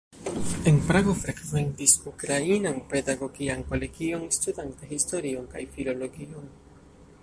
En Prago frekventis Ukrainan pedagogian kolegion, studante historion kaj filologion.